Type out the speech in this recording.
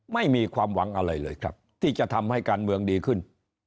ไม่มีความหวังอะไรเลยครับที่จะทำให้การเมืองดีขึ้น